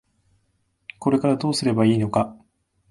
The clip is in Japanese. これからどうすればいいのか。